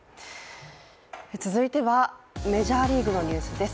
続いてはメジャーリーグのニュースです。